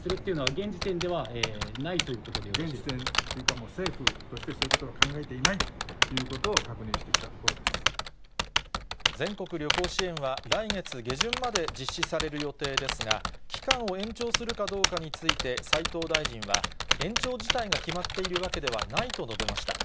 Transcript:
現時点というか、政府としてそういうことは考えていないということを確認してきた全国旅行支援は来月下旬まで実施される予定ですが、期間を延長するかどうかについて斉藤大臣は、延長自体が決まっているわけではないと述べました。